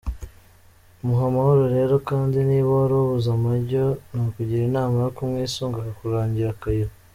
Muhe amahoro rero kandi niba warabuze amajyo nakugira inama yo kumwisunga akakurangira akayira.